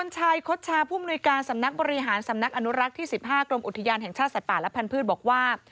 คดชาผู้มนุยการสำนักบริหารสำนักอนุรักษ์ที่๑๕กรมอุทยานแห่งชาติสัตว์ป่าและพันธุ์บอกว่า